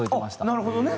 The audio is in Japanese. なるほどね。